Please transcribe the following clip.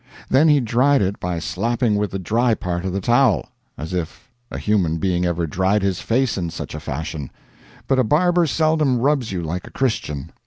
Then he dried it by slapping with the dry part of the towel, as if a human being ever dried his face in such a fashion; but a barber seldom rubs you like a Christian.